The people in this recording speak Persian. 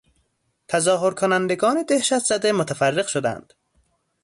تظاهر کنندگان دهشتزده متفرق شدند.